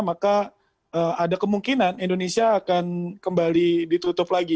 maka ada kemungkinan indonesia akan kembali ditutup lagi